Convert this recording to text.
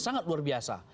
sangat luar biasa